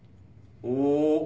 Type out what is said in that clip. お！